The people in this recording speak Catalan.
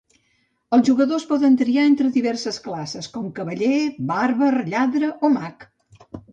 Els jugadors poden triar entre diverses classes com cavaller, bàrbar, lladre o mag.